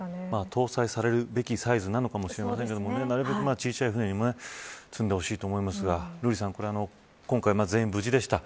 搭載されるべきサイズなのかもしれませんがなるべく小さい船にも積んでほしいと思いますが瑠麗さん、今回全員無事でした。